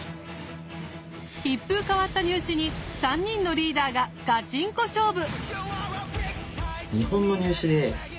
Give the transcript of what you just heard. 一風変わった入試に３人のリーダーがガチンコ勝負！